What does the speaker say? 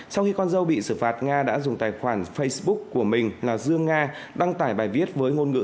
sau khi con dâu bị xử phạt nga đã dùng tài khoản facebook của mình là dương nga đăng tải bài viết với ngôn ngữ